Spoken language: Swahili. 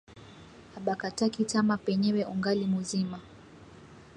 Abakataki tama penyewe ungali muzima